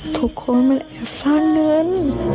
ทุกคนมันแอบสร้างเงิน